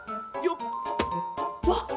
よっ！